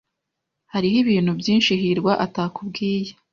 Hariho ibintu byinshi hirwa atakubwiye.